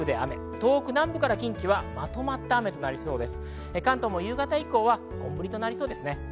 東北南部から近畿はまとまった雨となりそうです。